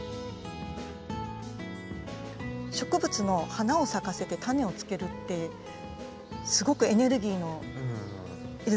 植物の花を咲かせてタネをつけるってすごくエネルギーの要ることでしょ。